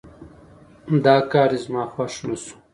دا کار دې زما خوښ نه شو